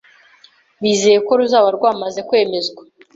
bizeye ko ruzaba rwamaze kwemezwa